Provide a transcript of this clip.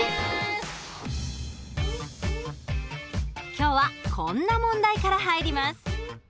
今日はこんな問題から入ります。